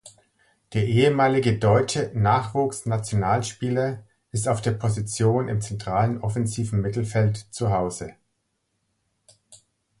Der ehemalige Deutsche Nachwuchsnationalspieler ist auf der Position im zentralen offensiven Mittelfeld Zuhause.